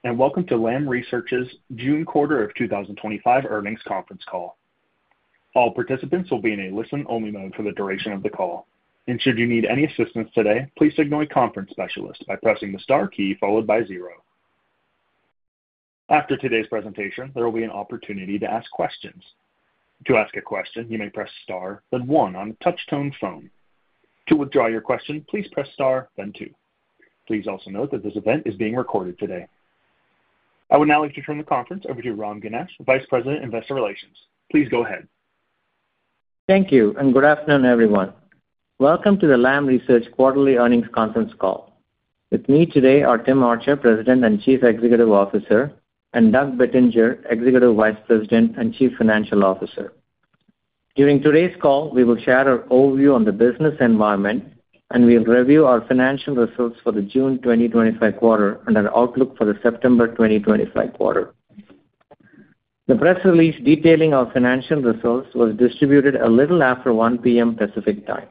Today, and welcome to Lam Research's June quarter of 2025 earnings conference call. All participants will be in a listen-only mode for the duration of the call, and should you need any assistance today, please signal a conference specialist by pressing the star key followed by zero. After today's presentation, there will be an opportunity to ask questions. To ask a question, you may press star, then one on a touch-tone phone. To withdraw your question, please press star, then two. Please also note that this event is being recorded today. I would now like to turn the conference over to Ram Ganesh, Vice President, Investor Relations. Please go ahead. Thank you, and good afternoon, everyone. Welcome to the Lam Research quarterly earnings conference call. With me today are Tim Archer, President and Chief Executive Officer, and Doug Bettinger, Executive Vice President and Chief Financial Officer. During today's call, we will share our overview on the business environment, and we'll review our financial results for the June 2025 quarter and our outlook for the September 2025 quarter. The press release detailing our financial results was distributed a little after 1:00 P.M. Pacific time.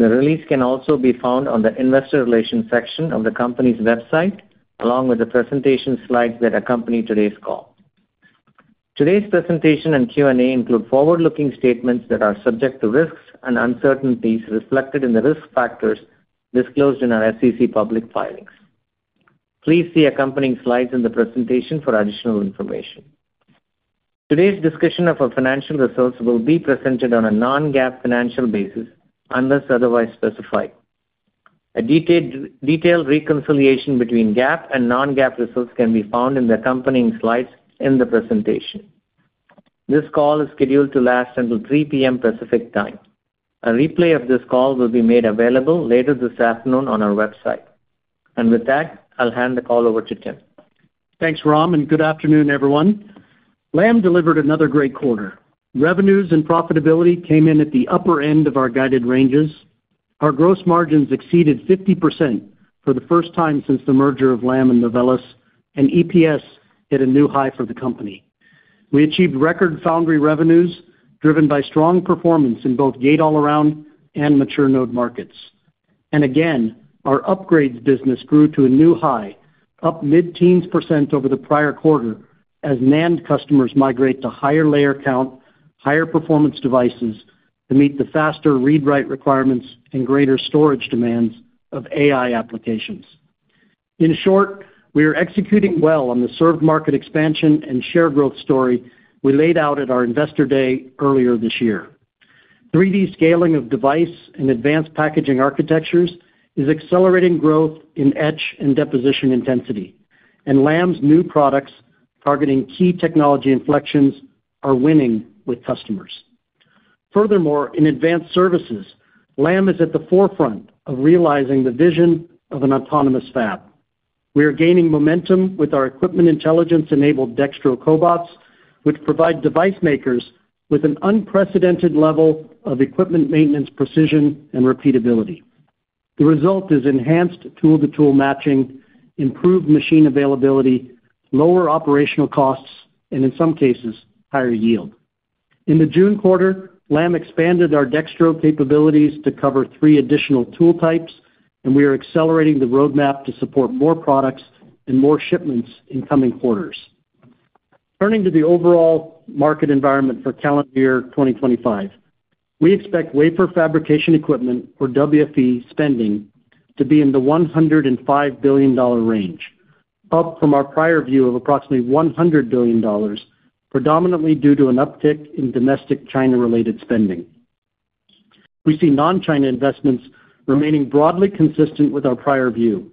The release can also be found on the Investor Relations section of the company's website, along with the presentation slides that accompany today's call. Today's presentation and Q&A include forward-looking statements that are subject to risks and uncertainties reflected in the risk factors disclosed in our SEC public filings. Please see accompanying slides in the presentation for additional information. Today's discussion of our financial results will be presented on a non-GAAP financial basis unless otherwise specified. A detailed reconciliation between GAAP and non-GAAP results can be found in the accompanying slides in the presentation. This call is scheduled to last until 3:00 P.M. Pacific time. A replay of this call will be made available later this afternoon on our website. With that, I'll hand the call over to Tim. Thanks, Ram, and good afternoon, everyone. Lam delivered another great quarter. Revenues and profitability came in at the upper end of our guided ranges. Our gross margins exceeded 50% for the first time since the merger of Lam and Novellus, and EPS hit a new high for the company. We achieved record foundry revenues driven by strong performance in both gate all-around and mature node markets. Our upgrades business grew to a new high, up mid-teens % over the prior quarter as NAND customers migrate to higher layer count, higher performance devices to meet the faster read-write requirements and greater storage demands of AI applications. In short, we are executing well on the served market expansion and share growth story we laid out at our investor day earlier this year. 3D scaling of device and advanced packaging architectures is accelerating growth in etch and deposition intensity, and Lam's new products targeting key technology inflections are winning with customers. Furthermore, in advanced services, Lam is at the forefront of realizing the vision of an autonomous fab. We are gaining momentum with our equipment intelligence-enabled Dextro cobots, which provide device makers with an unprecedented level of equipment maintenance precision and repeatability. The result is enhanced tool-to-tool matching, improved machine availability, lower operational costs, and in some cases, higher yield. In the June quarter, Lam expanded our Dextro capabilities to cover three additional tool types, and we are accelerating the roadmap to support more products and more shipments in coming quarters. Turning to the overall market environment for calendar year 2025, we expect wafer fabrication equipment or WFE spending to be in the $105 billion range, up from our prior view of approximately $100 billion, predominantly due to an uptick in domestic China-related spending. We see non-China investments remaining broadly consistent with our prior view.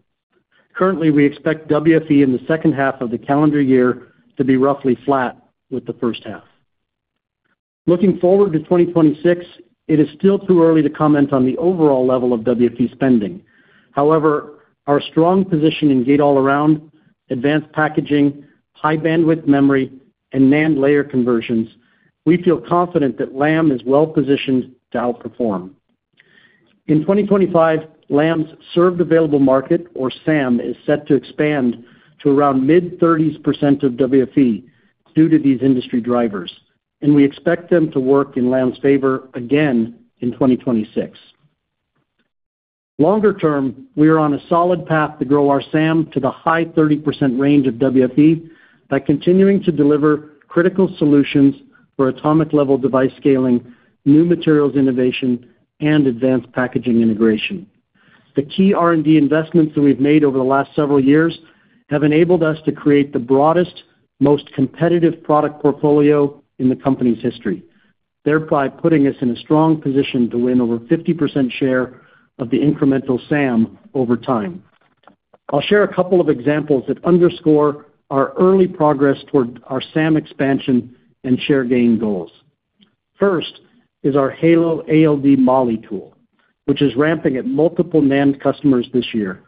Currently, we expect WFE in the second half of the calendar year to be roughly flat with the first half. Looking forward to 2026, it is still too early to comment on the overall level of WFE spending. However, with our strong position in gate all-around, advanced packaging, high bandwidth memory, and NAND layer conversions, we feel confident that Lam is well positioned to outperform. In 2025, Lam's Served Available Market, or SAM, is set to expand to around mid-30% of WFE due to these industry drivers, and we expect them to work in Lam's favor again in 2026. Longer term, we are on a solid path to grow our SAM to the high 30% range of WFE by continuing to deliver critical solutions for atomic-level device scaling, new materials innovation, and advanced packaging integration. The key R&D investments that we've made over the last several years have enabled us to create the broadest, most competitive product portfolio in the company's history, thereby putting us in a strong position to win over 50% share of the incremental SAM over time. I'll share a couple of examples that underscore our early progress toward our SAM expansion and share gain goals. First is our Halo ALD Mali tool, which is ramping at multiple NAND customers this year.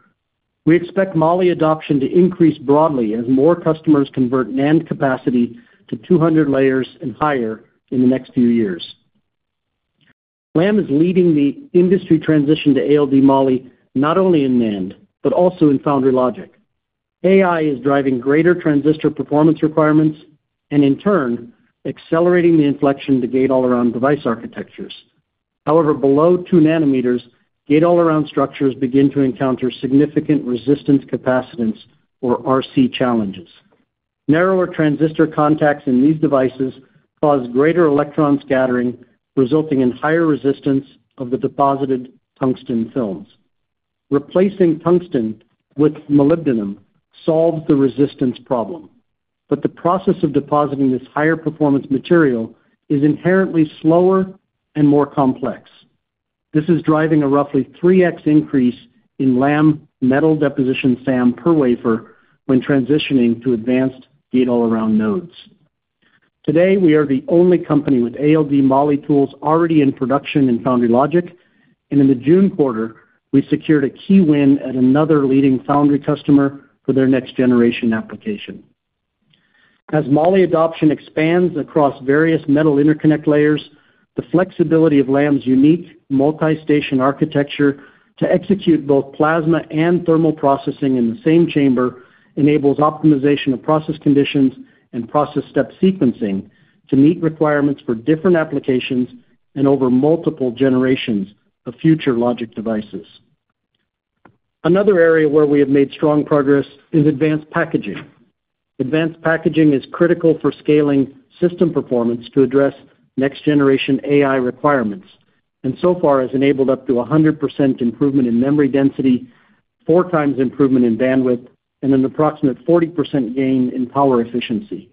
We expect Mali adoption to increase broadly as more customers convert NAND capacity to 200 layers and higher in the next few years. Lam is leading the industry transition to ALD Mali, not only in NAND but also in foundry logic. AI is driving greater transistor performance requirements and, in turn, accelerating the inflection to gate all-around device architectures. However, below two nanometers, gate all-around structures begin to encounter significant resistance capacitance, or RC, challenges. Narrower transistor contacts in these devices cause greater electron scattering, resulting in higher resistance of the deposited tungsten films. Replacing tungsten with molybdenum solves the resistance problem, but the process of depositing this higher performance material is inherently slower and more complex. This is driving a roughly 3x increase in Lam metal deposition SAM per wafer when transitioning to advanced gate all-around nodes. Today, we are the only company with ALD Mali tools already in production in foundry logic, and in the June quarter, we secured a key win at another leading foundry customer for their next-generation application. As Mali adoption expands across various metal interconnect layers, the flexibility of Lam's unique multi-station architecture to execute both plasma and thermal processing in the same chamber enables optimization of process conditions and process step sequencing to meet requirements for different applications and over multiple generations of future logic devices. Another area where we have made strong progress is advanced packaging. Advanced packaging is critical for scaling system performance to address next-generation AI requirements, and so far has enabled up to 100% improvement in memory density, 4x improvement in bandwidth, and an approximate 40% gain in power efficiency.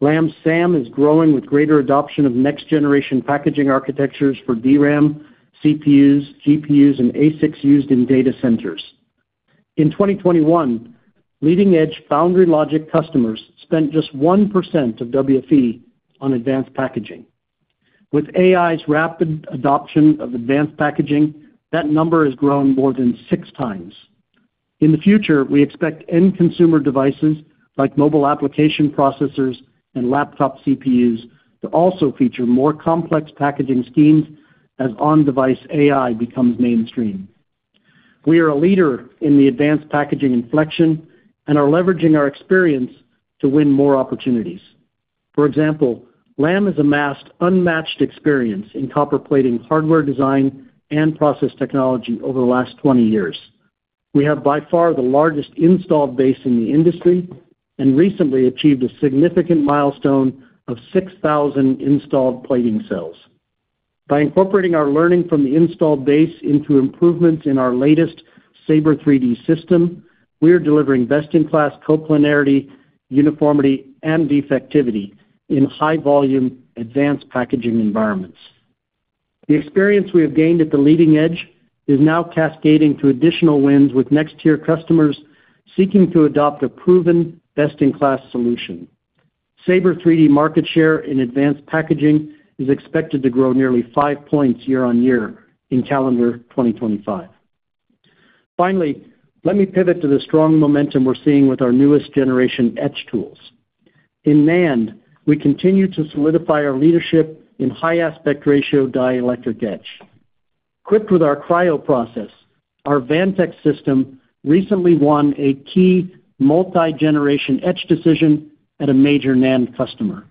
Lam's SAM is growing with greater adoption of next-generation packaging architectures for DRAM, CPUs, GPUs, and ASICs used in data centers. In 2021, leading-edge foundry logic customers spent just 1% of WFE on advanced packaging. With AI's rapid adoption of advanced packaging, that number has grown more than 6x. In the future, we expect end-consumer devices like mobile application processors and laptop CPUs to also feature more complex packaging schemes as on-device AI becomes mainstream. We are a leader in the advanced packaging inflection and are leveraging our experience to win more opportunities. For example, Lam has amassed unmatched experience in copper plating hardware design and process technology over the last 20 years. We have by far the largest installed base in the industry and recently achieved a significant milestone of 6,000 installed plating cells. By incorporating our learning from the installed base into improvements in our latest Sabre 3D system, we are delivering best-in-class coplanarity, uniformity, and defectivity in high-volume advanced packaging environments. The experience we have gained at the leading edge is now cascading to additional wins with next-tier customers seeking to adopt a proven best-in-class solution. Sabre 3D market share in advanced packaging is expected to grow nearly five points year-on-year in calendar 2025. Finally, let me pivot to the strong momentum we're seeing with our newest generation etch tools. In NAND, we continue to solidify our leadership in high-aspect ratio dielectric etch. Equipped with our Cryo process, our Vantex system recently won a key multi-generation etch decision at a major NAND customer.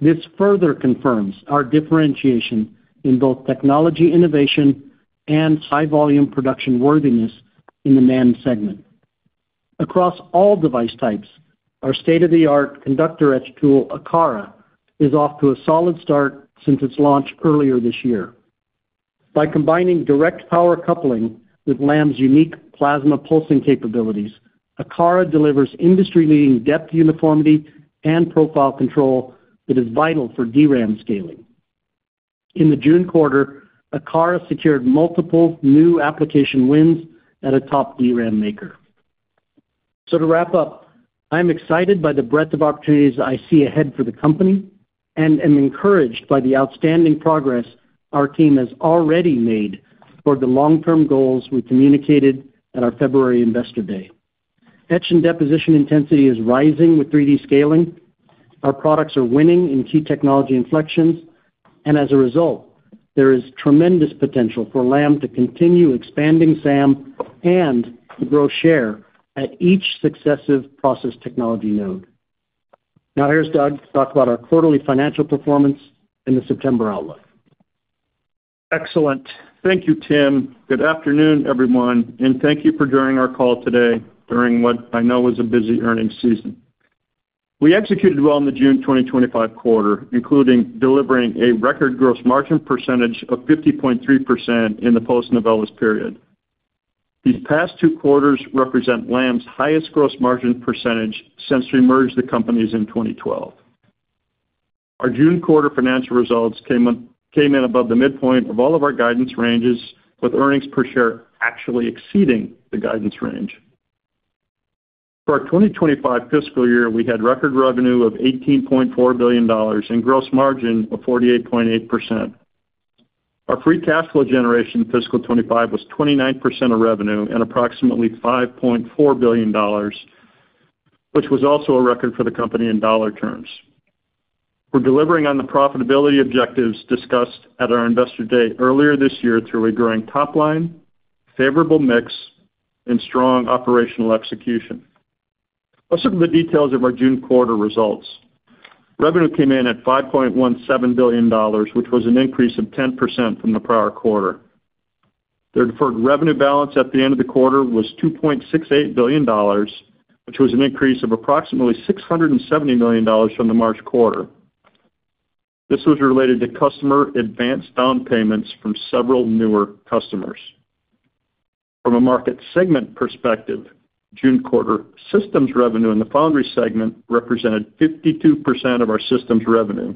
This further confirms our differentiation in both technology innovation and high-volume production worthiness in the NAND segment. Across all device types, our state-of-the-art conductor etch tool, Akara, is off to a solid start since its launch earlier this year. By combining direct power coupling with Lam's unique plasma pulsing capabilities, Akara delivers industry-leading depth uniformity and profile control that is vital for DRAM scaling. In the June quarter, Akara secured multiple new application wins at a top DRAM maker. To wrap up, I'm excited by the breadth of opportunities I see ahead for the company and am encouraged by the outstanding progress our team has already made toward the long-term goals we communicated at our February investor day. Etch and deposition intensity is rising with 3D scaling. Our products are winning in key technology inflections, and as a result, there is tremendous potential for Lam to continue expanding SAM and to grow share at each successive process technology node. Now, here's Doug to talk about our quarterly financial performance and the September outlook. Excellent. Thank you, Tim. Good afternoon, everyone, and thank you for joining our call today during what I know is a busy earnings season. We executed well in the June 2025 quarter, including delivering a record gross margin percentage of 50.3% in the post-Novellus period. These past two quarters represent Lam's highest gross margin percentage since we merged the companies in 2012. Our June quarter financial results came in above the midpoint of all of our guidance ranges, with earnings per share actually exceeding the guidance range. For our 2025 fiscal year, we had record revenue of $18.4 billion and gross margin of 48.8%. Our free cash flow generation fiscal 2025 was 29% of revenue and approximately $5.4 billion, which was also a record for the company in dollar terms. We're delivering on the profitability objectives discussed at our investor day earlier this year through a growing top line, favorable mix, and strong operational execution. Let's look at the details of our June quarter results. Revenue came in at $5.17 billion, which was an increase of 10% from the prior quarter. The deferred revenue balance at the end of the quarter was $2.68 billion, which was an increase of approximately $670 million from the March quarter. This was related to customer advance down payments from several newer customers. From a market segment perspective, June quarter systems revenue in the foundry segment represented 52% of our systems revenue,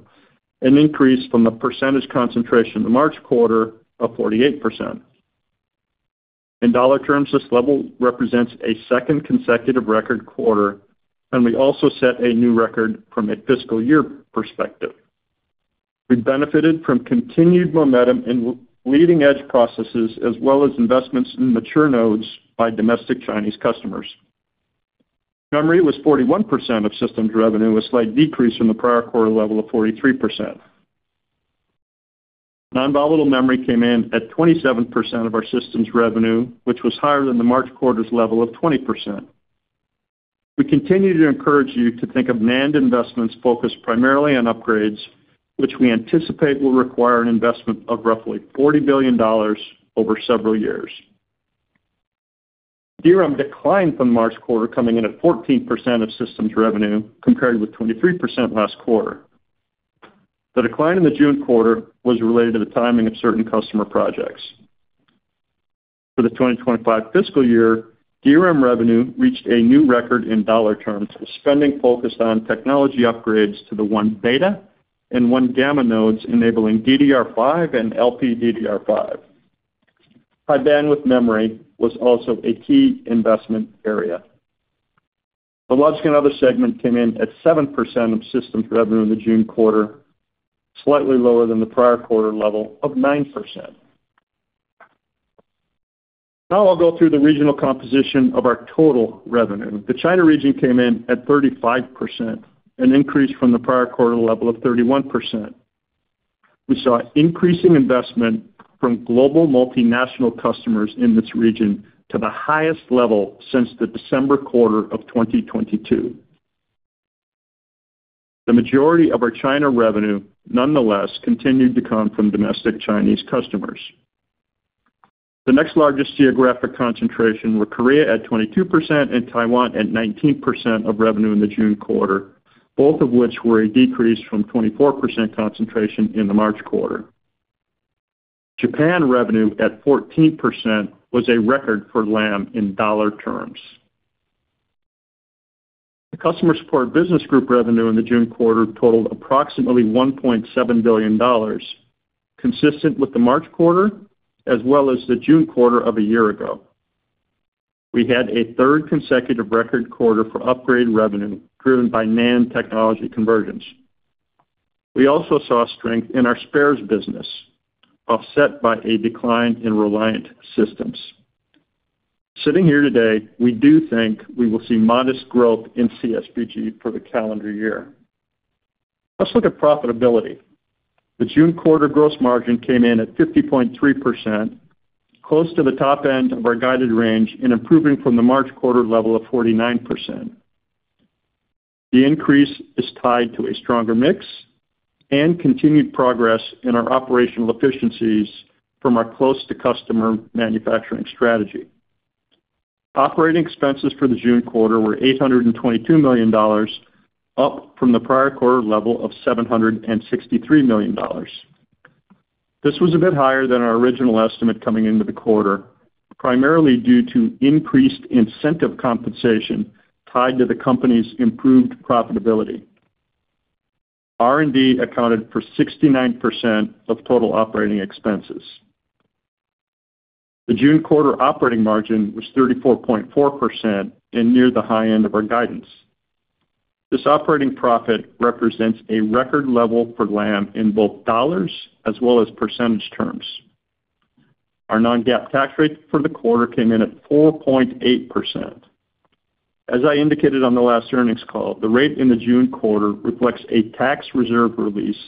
an increase from the percentage concentration in the March quarter of 48%. In dollar terms, this level represents a second consecutive record quarter, and we also set a new record from a fiscal year perspective. We benefited from continued momentum in leading-edge processes as well as investments in mature nodes by domestic Chinese customers. Memory was 41% of systems revenue, a slight decrease from the prior quarter level of 43%. Non-volatile memory came in at 27% of our systems revenue, which was higher than the March quarter's level of 20%. We continue to encourage you to think of NAND investments focused primarily on upgrades, which we anticipate will require an investment of roughly $40 billion over several years. DRAM declined from the March quarter, coming in at 14% of systems revenue compared with 23% last quarter. The decline in the June quarter was related to the timing of certain customer projects. For the 2025 fiscal year, DRAM revenue reached a new record in dollar terms with spending focused on technology upgrades to the one-beta and one-gamma nodes enabling DDR5 and LPDDR5. High bandwidth memory was also a key investment area. The logic and other segment came in at 7% of systems revenue in the June quarter, slightly lower than the prior quarter level of 9%. Now, I'll go through the regional composition of our total revenue. The China region came in at 35%, an increase from the prior quarter level of 31%. We saw increasing investment from global multinational customers in this region to the highest level since the December quarter of 2022. The majority of our China revenue, nonetheless, continued to come from domestic Chinese customers. The next largest geographic concentration were Korea at 22% and Taiwan at 19% of revenue in the June quarter, both of which were a decrease from 24% concentration in the March quarter. Japan revenue at 14% was a record for Lam Research in dollar terms. The customer support business group revenue in the June quarter totaled approximately $1.7 billion, consistent with the March quarter as well as the June quarter of a year ago. We had a third consecutive record quarter for upgrade revenue driven by NAND technology convergence. We also saw strength in our spares business, offset by a decline in reliant systems. Sitting here today, we do think we will see modest growth in CSBG for the calendar year. Let's look at profitability. The June quarter gross margin came in at 50.3%, close to the top end of our guided range and improving from the March quarter level of 49%. The increase is tied to a stronger mix and continued progress in our operational efficiencies from our close-to-customer manufacturing strategy. Operating expenses for the June quarter were $822 million, up from the prior quarter level of $763 million. This was a bit higher than our original estimate coming into the quarter, primarily due to increased incentive compensation tied to the company's improved profitability. R&D accounted for 69% of total operating expenses. The June quarter operating margin was 34.4% and near the high end of our guidance. This operating profit represents a record level for Lam in both dollars as well as percentage terms. Our non-GAAP tax rate for the quarter came in at 4.8%. As I indicated on the last earnings call, the rate in the June quarter reflects a tax reserve release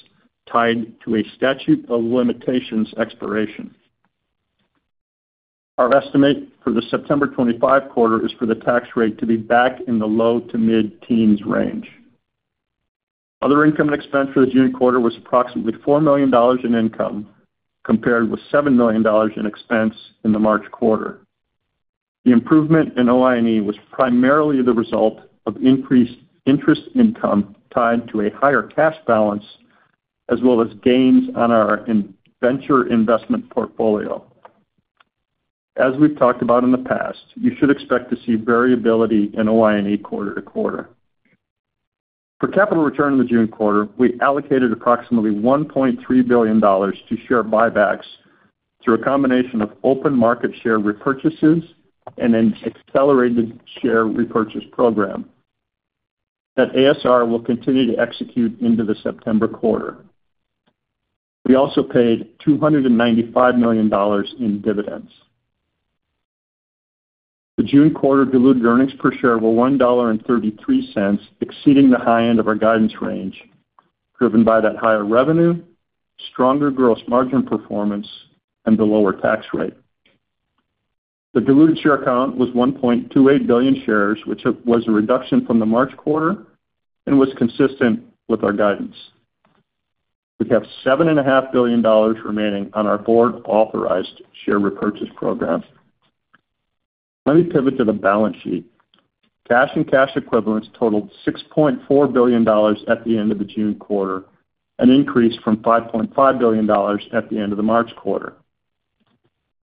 tied to a statute of limitations expiration. Our estimate for the September 2025 quarter is for the tax rate to be back in the low to mid-teens range. Other income and expense for the June quarter was approximately $4 million in income, compared with $7 million in expense in the March quarter. The improvement in OI&E was primarily the result of increased interest income tied to a higher cash balance, as well as gains on our venture investment portfolio. As we've talked about in the past, you should expect to see variability in OI&E quarter to quarter. For capital return in the June quarter, we allocated approximately $1.3 billion to share buybacks through a combination of open market share repurchases and an accelerated share repurchase program. That ASR will continue to execute into the September quarter. We also paid $295 million in dividends. The June quarter diluted earnings per share were $1.33, exceeding the high end of our guidance range, driven by that higher revenue, stronger gross margin performance, and the lower tax rate. The diluted share count was 1.28 billion shares, which was a reduction from the March quarter and was consistent with our guidance. We have $7.5 billion remaining on our board-authorized share repurchase program. Let me pivot to the balance sheet. Cash and cash equivalents totaled $6.4 billion at the end of the June quarter, an increase from $5.5 billion at the end of the March quarter.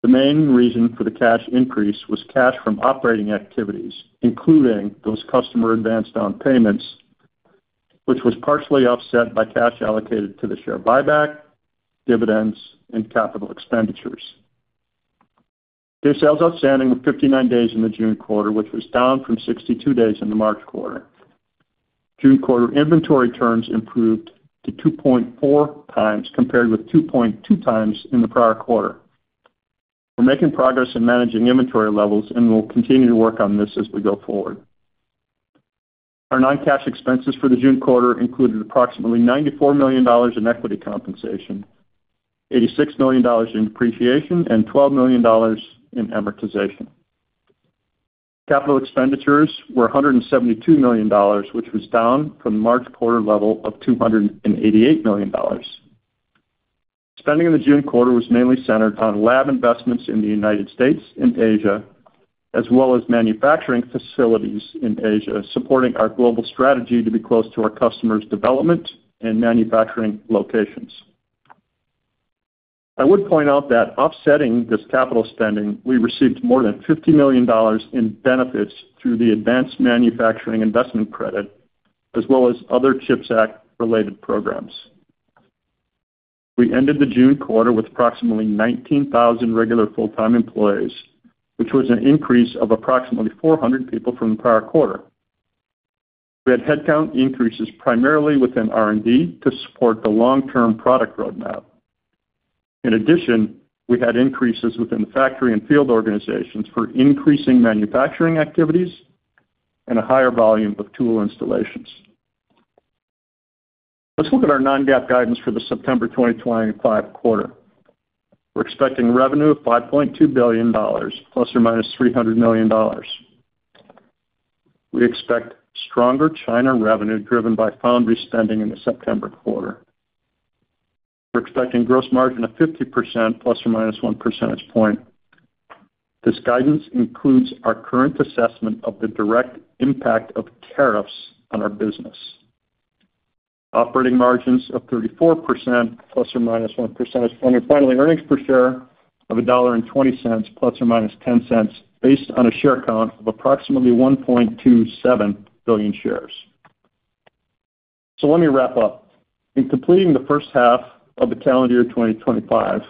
The main reason for the cash increase was cash from operating activities, including those customer advance down payments, which was partially offset by cash allocated to the share buyback, dividends, and capital expenditures. Day sales outstanding were 59 days in the June quarter, which was down from 62 days in the March quarter. June quarter inventory turns improved to 2.4 times, compared with 2.2 times in the prior quarter. We're making progress in managing inventory levels and will continue to work on this as we go forward. Our non-cash expenses for the June quarter included approximately $94 million in equity compensation, $86 million in depreciation, and $12 million in amortization. Capital expenditures were $172 million, which was down from the March quarter level of $288 million. Spending in the June quarter was mainly centered on lab investments in the United States and Asia, as well as manufacturing facilities in Asia, supporting our global strategy to be close to our customers' development and manufacturing locations. I would point out that offsetting this capital spending, we received more than $50 million in benefits through the advanced manufacturing investment credit, as well as other CHIPS Act-related programs. We ended the June quarter with approximately 19,000 regular full-time employees, which was an increase of approximately 400 people from the prior quarter. We had headcount increases primarily within R&D to support the long-term product roadmap. In addition, we had increases within the factory and field organizations for increasing manufacturing activities and a higher volume of tool installations. Let's look at our non-GAAP guidance for the September 2025 quarter. We're expecting revenue of $5.2 billion, plus or minus $300 million. We expect stronger China revenue driven by foundry spending in the September quarter. We're expecting gross margin of 50%, plus or minus one percentage point. This guidance includes our current assessment of the direct impact of tariffs on our business. Operating margins of 34%, plus or minus one percentage point, and finally, earnings per share of $1.20, plus or minus $0.10, based on a share count of approximately 1.27 billion shares. Let me wrap up. In completing the first half of the calendar year 2025,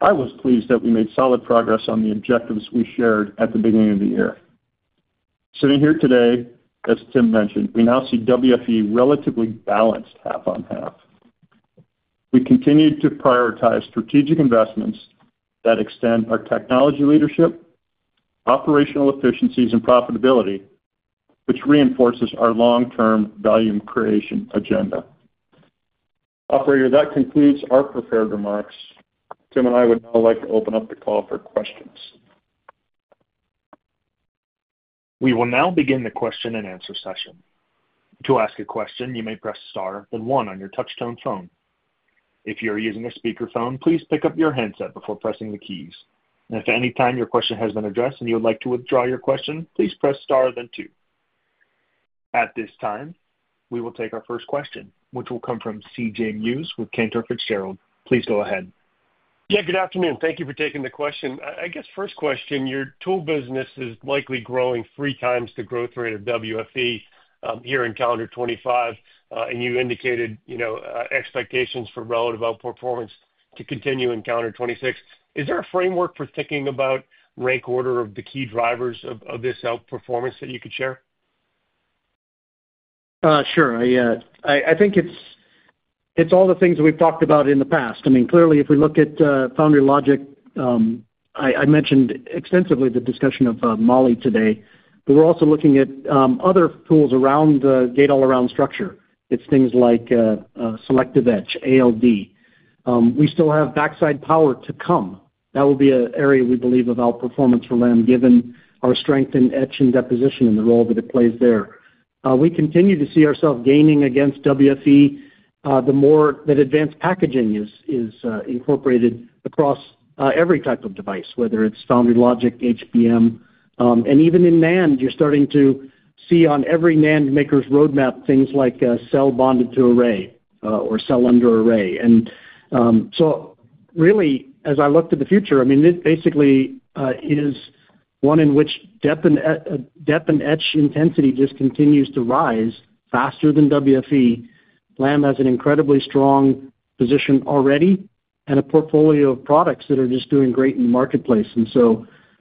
I was pleased that we made solid progress on the objectives we shared at the beginning of the year. Sitting here today, as Tim mentioned, we now see WFE relatively balanced half on half. We continue to prioritize strategic investments that extend our technology leadership, operational efficiencies, and profitability, which reinforces our long-term value creation agenda. Operator, that concludes our prepared remarks. Tim and I would now like to open up the call for questions. We will now begin the question and answer session. To ask a question, you may press star then one on your touch-tone phone. If you're using a speakerphone, please pick up your handset before pressing the keys. If at any time your question has been addressed and you would like to withdraw your question, please press star then two. At this time, we will take our first question, which will come from CJ Muse with Cantor Fitzgerald. Please go ahead. Yeah, good afternoon. Thank you for taking the question. I guess first question, your tool business is likely growing three times the growth rate of WFE here in calendar 2025, and you indicated expectations for relative outperformance to continue in calendar 2026. Is there a framework for thinking about rank order of the key drivers of this outperformance that you could share? Sure. I think it's all the things we've talked about in the past. I mean, clearly, if we look at foundry logic. I mentioned extensively the discussion of Mali today, but we're also looking at other tools around the gate all-around structure. It's things like selective etch, ALD. We still have backside power to come. That will be an area, we believe, of outperformance for Lam, given our strength in etch and deposition and the role that it plays there. We continue to see ourselves gaining against WFE the more that advanced packaging is incorporated across every type of device, whether it's foundry logic, HBM, and even in NAND, you're starting to see on every NAND maker's roadmap things like cell bonded to array or cell under array. Really, as I look to the future, it basically is one in which depth and etch intensity just continues to rise faster than WFE. Lam has an incredibly strong position already and a portfolio of products that are just doing great in the marketplace.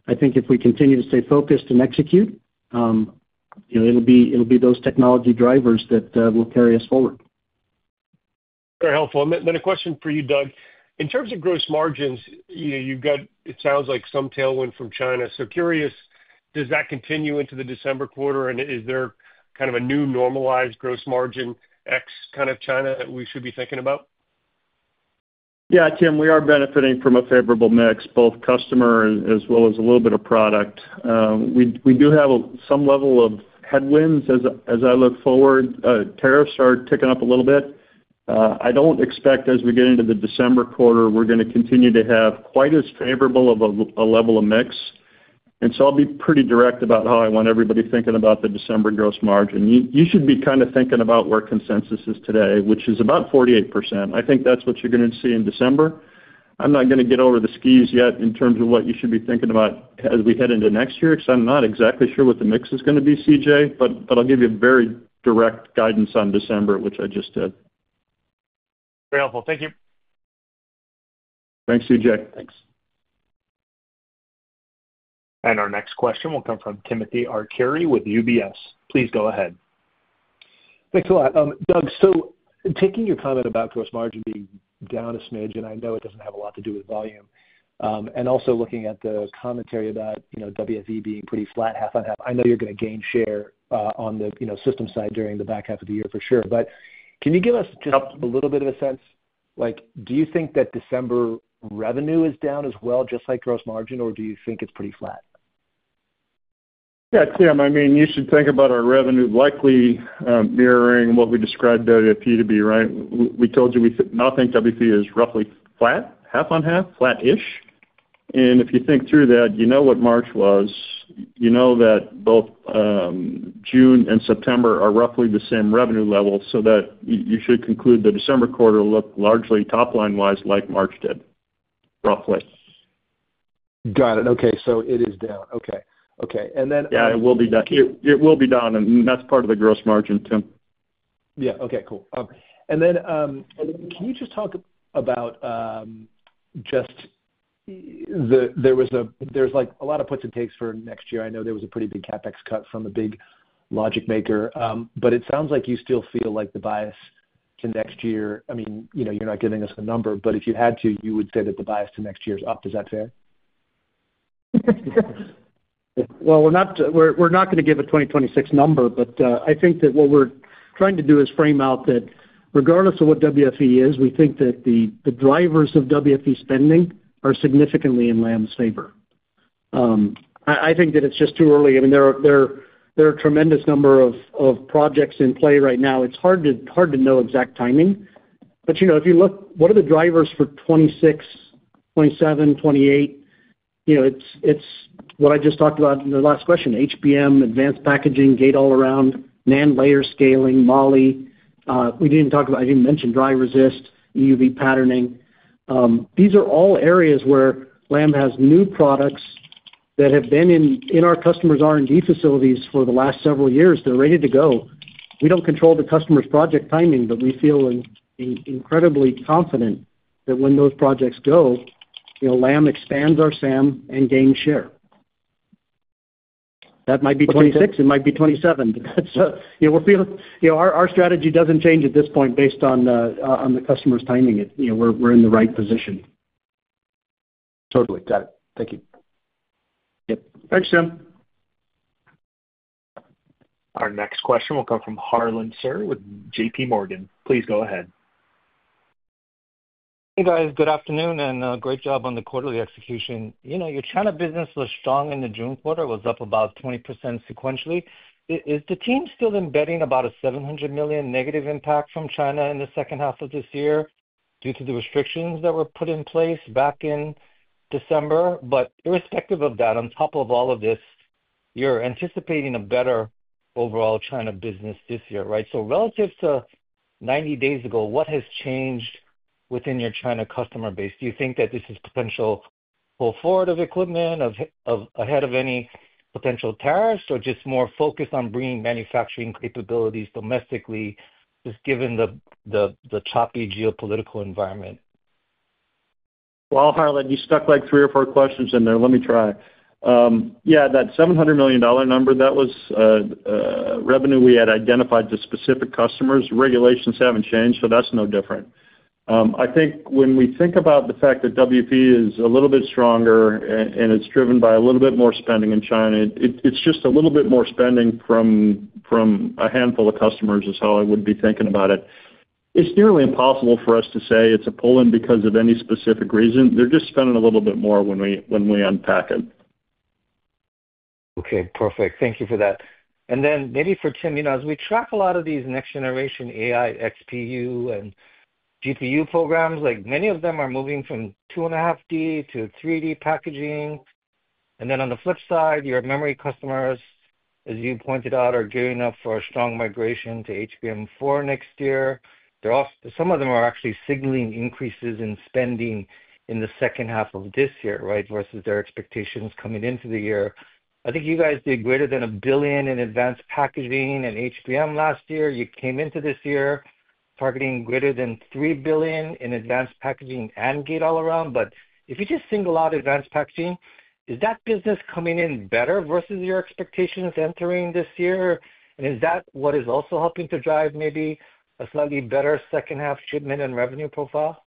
I think if we continue to stay focused and execute, it'll be those technology drivers that will carry us forward. Very helpful. Then a question for you, Doug. In terms of gross margins, you've got, it sounds like, some tailwind from China. Curious, does that continue into the December quarter, and is there kind of a new normalized gross margin X kind of China that we should be thinking about? Yeah, Tim, we are benefiting from a favorable mix, both customer as well as a little bit of product. We do have some level of headwinds as I look forward. Tariffs are ticking up a little bit. I don't expect, as we get into the December quarter, we're going to continue to have quite as favorable of a level of mix. I'll be pretty direct about how I want everybody thinking about the December gross margin. You should be kind of thinking about where consensus is today, which is about 48%. I think that's what you're going to see in December. I'm not going to get over the skis yet in terms of what you should be thinking about as we head into next year, because I'm not exactly sure what the mix is going to be, CJ, but I'll give you very direct guidance on December, which I just did. Very helpful. Thank you. Thanks, CJ,. Thanks. Our next question will come from Timothy Arcuri with UBS. Please go ahead. Thanks a lot. Doug, so taking your comment about gross margin being down a smidge, and I know it doesn't have a lot to do with volume, and also looking at the commentary about WFE being pretty flat half on half, I know you're going to gain share on the system side during the back half of the year for sure. Can you give us just a little bit of a sense? Do you think that December revenue is down as well, just like gross margin, or do you think it's pretty flat? Yeah, Tim, you should think about our revenue likely mirroring what we described WFE to be, right? We told you we think WFE is roughly flat, half-on-half, flat-ish. If you think through that, you know what March was. You know that both June and September are roughly the same revenue level, so you should conclude the December quarter looked largely top line-wise like March did, roughly. Got it. Okay. So it is down. Okay. Yeah, it will be down. It will be down, and that's part of the gross margin, Tim. Yeah. Okay. Cool. Can you just talk about, just, there's a lot of puts and takes for next year. I know there was a pretty big CapEx cut from a big logic maker, but it sounds like you still feel like the bias to next year, I mean, you're not giving us a number, but if you had to, you would say that the bias to next year is up. Is that fair? We're not going to give a 2026 number, but I think that what we're trying to do is frame out that regardless of what WFE is, we think that the drivers of WFE spending are significantly in Lam's favor. I think that it's just too early. There are a tremendous number of projects in play right now. It's hard to know exact timing. If you look, what are the drivers for 2026, 2027, 2028? It's what I just talked about in the last question, HBM, advanced packaging, gate all-around, NAND layer scaling, Mali. We didn't talk about, I didn't mention dry resist, EUV patterning. These are all areas where Lam has new products that have been in our customer's R&D facilities for the last several years. They're ready to go. We don't control the customer's project timing, but we feel incredibly confident that when those projects go, Lam expands our SAM and gains share. That might be 2026. It might be 2027. Our strategy doesn't change at this point based on the customer's timing. We're in the right position. Totally. Got it. Thank you. Yep. Thanks, Tim. Our next question will come from Harlan Sur with JP Morgan. Please go ahead. Hey, guys. Good afternoon and great job on the quarterly execution. Your China business was strong in the June quarter, was up about 20% sequentially. Is the team still embedding about a $700 million negative impact from China in the second half of this year due to the restrictions that were put in place back in December? Irrespective of that, on top of all of this, you're anticipating a better overall China business this year, right? Relative to 90 days ago, what has changed within your China customer base? Do you think that this is potential pull forward of equipment ahead of any potential tariffs, or just more focused on bringing manufacturing capabilities domestically, just given the choppy geopolitical environment? Harlan, you stuck like three or four questions in there. Let me try. That $700 million number, that was revenue we had identified to specific customers. Regulations haven't changed, so that's no different. I think when we think about the fact that WFE is a little bit stronger and it's driven by a little bit more spending in China, it's just a little bit more spending from a handful of customers is how I would be thinking about it. It's nearly impossible for us to say it's a pull-in because of any specific reason. They're just spending a little bit more when we unpack it. Okay. Perfect. Thank you for that. Maybe for Tim, as we track a lot of these next-generation AI XPU and GPU programs, many of them are moving from 2.5D to 3D packaging. On the flip side, your memory customers, as you pointed out, are gearing up for a strong migration to HBM4 next year. Some of them are actually signaling increases in spending in the second half of this year, right, versus their expectations coming into the year. I think you guys did greater than $1 billion in advanced packaging and HBM last year. You came into this year targeting greater than $3 billion in advanced packaging and gate all-around. If you just single out advanced packaging, is that business coming in better versus your expectations entering this year? Is that what is also helping to drive maybe a slightly better second-half shipment and revenue profile?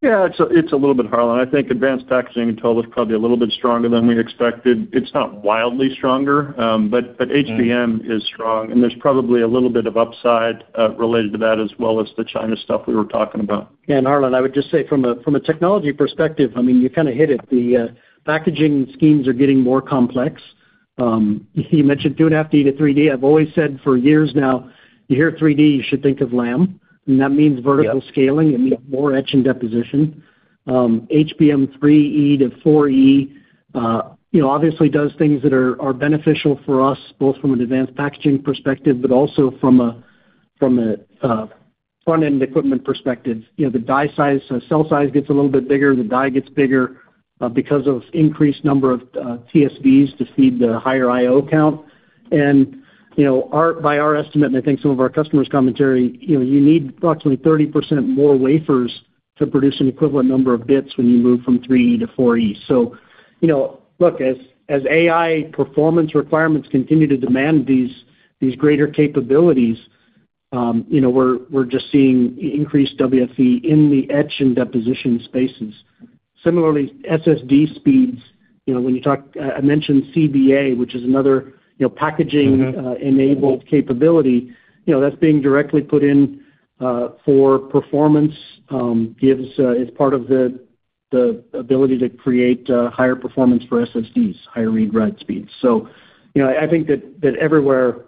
It's a little bit, Harlan. I think advanced packaging in total is probably a little bit stronger than we expected. It's not wildly stronger, but HBM is strong, and there's probably a little bit of upside related to that as well as the China stuff we were talking about. Harlan, I would just say from a technology perspective, you kind of hit it. The packaging schemes are getting more complex. You mentioned 2.5D to 3D. I've always said for years now, you hear 3D, you should think of Lam. That means vertical scaling. It means more etch and deposition. HBM3E to 4E obviously does things that are beneficial for us, both from an advanced packaging perspective, but also from a front-end equipment perspective. The die size, cell size gets a little bit bigger. The die gets bigger because of increased number of TSVs to feed the higher IO count. By our estimate, and I think some of our customers' commentary, you need approximately 30% more wafers to produce an equivalent number of bits when you move from 3E to 4E. As AI performance requirements continue to demand these greater capabilities, we're just seeing increased WFE in the etch and deposition spaces. Similarly, SSD speeds, when you talk, I mentioned CBA, which is another packaging-enabled capability, that's being directly put in for performance. It's part of the ability to create higher performance for SSDs, higher read-write speeds. I think that everywhere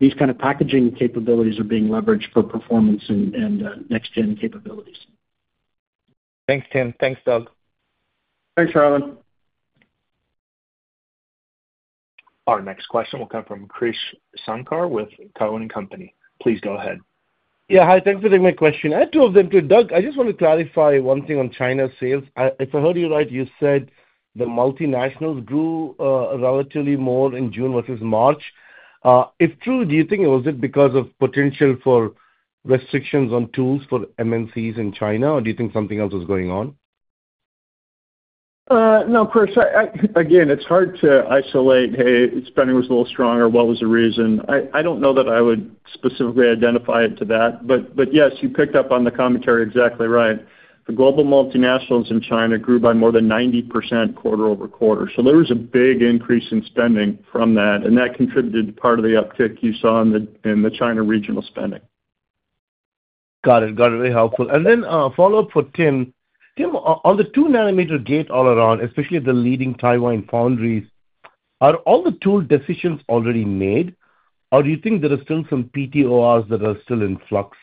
these kind of packaging capabilities are being leveraged for performance and next-gen capabilities. Thanks, Tim. Thanks, Doug. Thanks, Harlan. Our next question will come from Krish Sankar with Cowen Company. Please go ahead. Yeah, hi. Thanks for taking my question. I have two of them too. Doug, I just want to clarify one thing on China sales. If I heard you right, you said the multinationals grew relatively more in June versus March. If true, do you think it was because of potential for restrictions on tools for MNCs in China, or do you think something else was going on? No, Krish. Again, it's hard to isolate, "Hey, spending was a little stronger. What was the reason?" I don't know that I would specifically identify it to that. Yes, you picked up on the commentary exactly right. The global multinationals in China grew by more than 90% quarter over quarter. There was a big increase in spending from that, and that contributed to part of the uptick you saw in the China regional spending. Got it. Very helpful. Then follow-up for Tim. Tim, on the 2-nanometer gate all-around, especially the leading Taiwan foundries, are all the tool decisions already made, or do you think there are still some PTORs that are still in flux?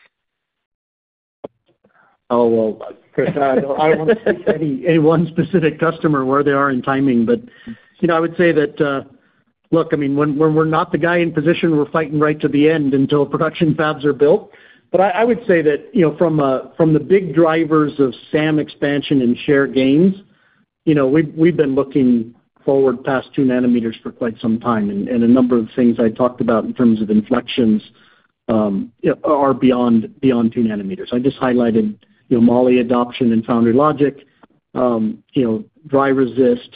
Oh, Krish, I don't want to take any one specific customer where they are in timing, but I would say that. Look, I mean, when we're not the guy in position, we're fighting right to the end until production fabs are built. I would say that from the big drivers of SAM expansion and share gains, we've been looking forward past 2 nanometers for quite some time, and a number of things I talked about in terms of inflections are beyond 2 nanometers. I just highlighted Mali adoption and foundry logic. Dry resist.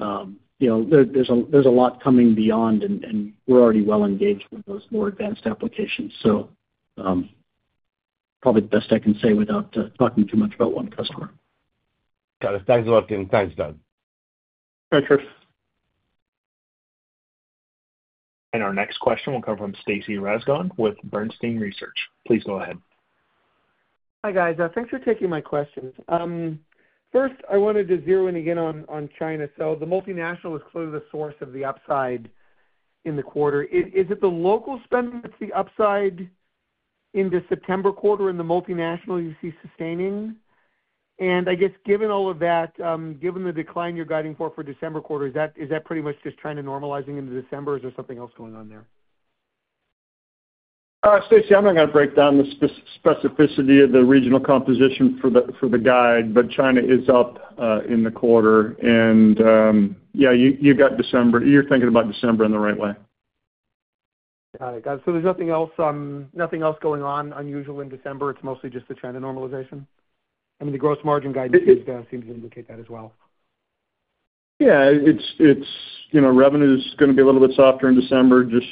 There's a lot coming beyond, and we're already well engaged with those more advanced applications. Probably the best I can say without talking too much about one customer. Got it. Thanks a lot, Tim. Thanks, Doug. Thanks, Krish. Our next question will come from Stacy Rasgon with Bernstein Research. Please go ahead. Hi, guys. Thanks for taking my questions. First, I wanted to zero in again on China. The multinational was clearly the source of the upside in the quarter. Is it the local spending that's the upside in the September quarter and the multinational you see sustaining? I guess, given all of that, given the decline you're guiding for for December quarter, is that pretty much just China normalizing into December, or is there something else going on there? Stacy, I'm not going to break down the specificity of the regional composition for the guide, but China is up in the quarter. Yeah, you've got December. You're thinking about December in the right way. Got it. Got it. There's nothing else going on unusual in December. It's mostly just the China normalization. I mean, the gross margin guide seems to indicate that as well. Yeah. Revenue is going to be a little bit softer in December, just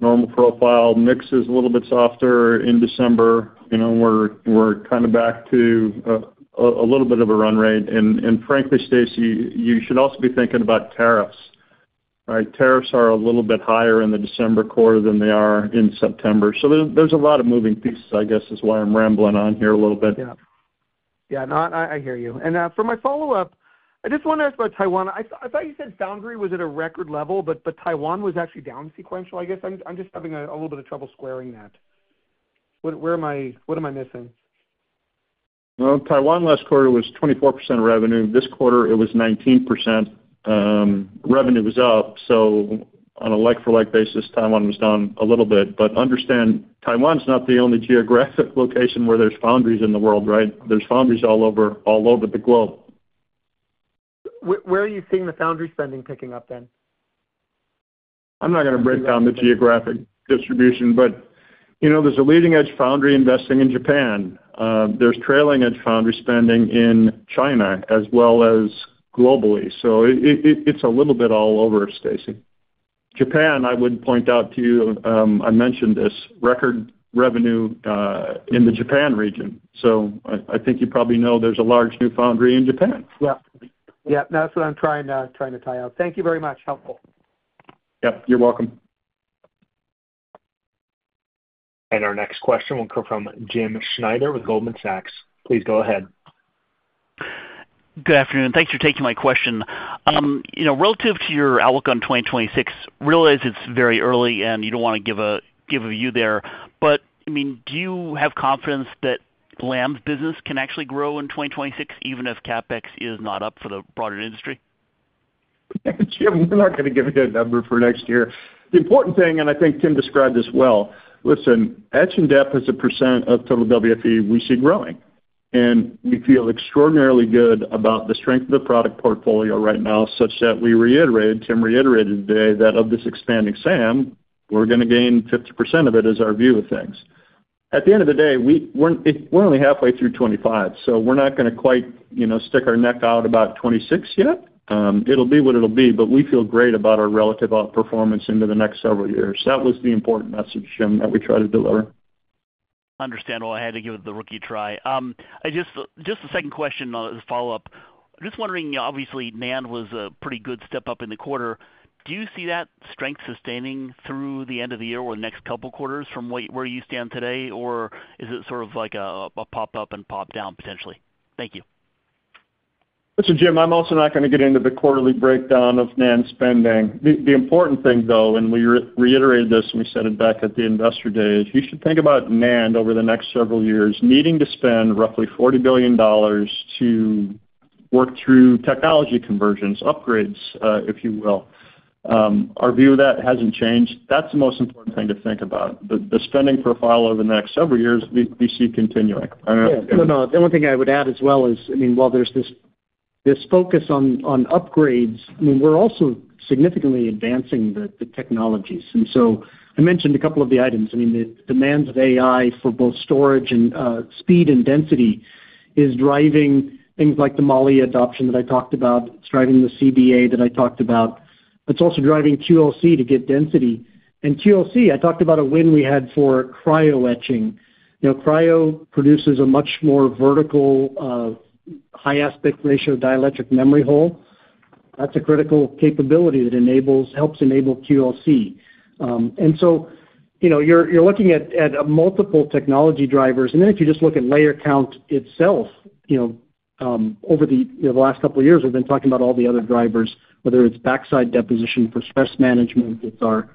normal profile. Mix is a little bit softer in December. We're kind of back to a little bit of a run rate. Frankly, Stacy, you should also be thinking about tariffs, right? Tariffs are a little bit higher in the December quarter than they are in September. There's a lot of moving pieces, I guess, is why I'm rambling on here a little bit. Yeah. Yeah. No, I hear you. For my follow-up, I just want to ask about Taiwan. I thought you said foundry was at a record level, but Taiwan was actually down sequential, I guess. I'm just having a little bit of trouble squaring that. What am I missing? Taiwan last quarter was 24% revenue. This quarter, it was 19%. Revenue was up. On a like-for-like basis, Taiwan was down a little bit. Understand, Taiwan's not the only geographic location where there's foundries in the world, right? There's foundries all over the globe. Where are you seeing the foundry spending picking up then? I'm not going to break down the geographic distribution, but there's a leading-edge foundry investing in Japan. There's trailing-edge foundry spending in China as well as globally. It's a little bit all over, Stacy. Japan, I would point out to you, I mentioned this, record revenue in the Japan region. I think you probably know there's a large new foundry in Japan. Yeah. That's what I'm trying to tie out. Thank you very much. Helpful. Yep. You're welcome. Our next question will come from Jim Schneider with Goldman Sachs. Please go ahead. Good afternoon. Thanks for taking my question. Relative to your outlook on 2026, realize it's very early and you don't want to give a view there. Do you have confidence that Lam's business can actually grow in 2026, even if CapEx is not up for the broader industry? We're not going to give a good number for next year. The important thing, and I think Tim described this well, listen, etch and dep is a % of total WFE we see growing. We feel extraordinarily good about the strength of the product portfolio right now, such that we reiterated, Tim reiterated today, that of this expanding SAM, we're going to gain 50% of it is our view of things. At the end of the day, we're only halfway through 2025, so we're not going to quite stick our neck out about 2026 yet. It'll be what it'll be, but we feel great about our relative outperformance into the next several years. That was the important message, Jim, that we tried to deliver. Understandable. I had to give it the rookie try. Just a second question as a follow-up. Just wondering, obviously, NAND was a pretty good step up in the quarter. Do you see that strength sustaining through the end of the year or the next couple of quarters from where you stand today, or is it sort of like a pop-up and pop-down potentially? Thank you. Listen, Jim, I'm also not going to get into the quarterly breakdown of NAND spending. The important thing, though, and we reiterated this and we said it back at the investor day, is you should think about NAND over the next several years needing to spend roughly $40 billion to work through technology conversions, upgrades, if you will. Our view of that hasn't changed. That's the most important thing to think about. The spending profile over the next several years, we see continuing. The only thing I would add as well is, while there's this focus on upgrades, we're also significantly advancing the technologies. I mentioned a couple of the items. The demands of AI for both storage and speed and density is driving things like the Mali adoption that I talked about. It's driving the CBA that I talked about. It's also driving QLC to get density. QLC, I talked about a win we had for cryo etching. Cryo produces a much more vertical, high-aspect ratio dielectric memory hole. That's a critical capability that helps enable QLC. You're looking at multiple technology drivers. If you just look at layer count itself, over the last couple of years, we've been talking about all the other drivers, whether it's backside deposition for stress management, our